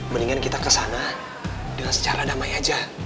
mendingan kita kesana dengan secara damai aja